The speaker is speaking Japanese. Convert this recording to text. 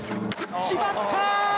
決まった！